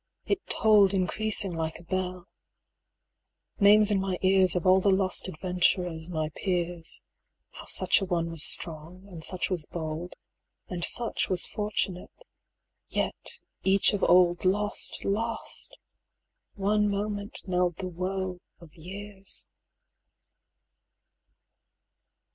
it tolled Increasing like a bell. Names in my ears Of all the lost adventurers my peers 195 How such a one was strong, and such was bold, And such was fortunate, yet each of old Lost, lost! one moment knelled the woe of years.